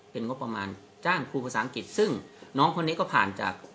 เป็นงบประมาณจ้างครูภาษาอังกฤษซึ่งน้องคนนี้ก็ผ่านจาก